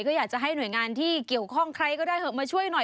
ก็อยากจะให้หน่วยงานที่เกี่ยวข้องใครก็ได้เหอะมาช่วยหน่อย